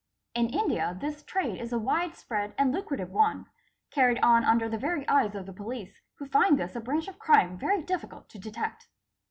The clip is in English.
In India this | trade is a wide spread and lucrative one, carried on under the very eyes of the police, who find this a branch of crime very. difficult to detect.